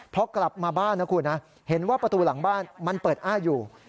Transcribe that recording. พอกลับมาบ้านนะคุณนะเห็นว่าประตูหลังบ้านมันเปิดอ้าอยู่